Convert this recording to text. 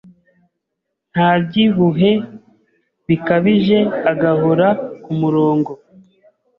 ntabyibuhe bikabije agahora ku murongo,